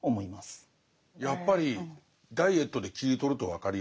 やっぱりダイエットで切り取ると分かりやすい。